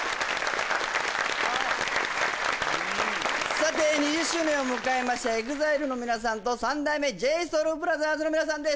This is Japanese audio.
さて２０周年を迎えましたＥＸＩＬＥの皆さんと三代目ＪＳＯＵＬＢＲＯＴＨＥＲＳの皆さんです